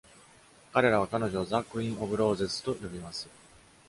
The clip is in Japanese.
彼らは彼女を「ザ・クイーン・オブ・ローゼズ」と呼びます。